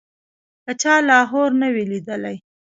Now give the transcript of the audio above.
که چا لاهور نه وي لیدلی.